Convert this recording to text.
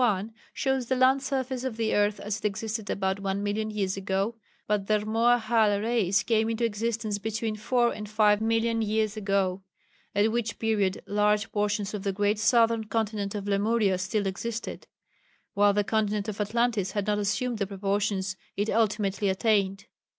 1 shows the land surface of the earth as it existed about one million years ago, but the Rmoahal race came into existence between four and five million years ago, at which period large portions of the great southern continent of Lemuria still existed, while the continent of Atlantis had not assumed the proportions it ultimately attained.